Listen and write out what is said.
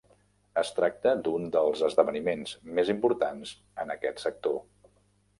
Es tracta d'un dels esdeveniments més importants en aquest sector.